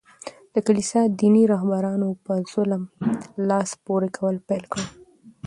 د کلیسا دیني رهبرانو په ظلم لاس پوري کول پېل کړل.